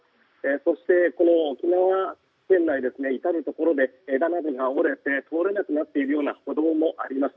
そして、沖縄県内至るところで枝などが折れて通れなくなっているような歩道もあります。